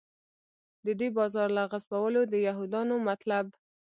د دې بازار له غصبولو د یهودانو مطلب.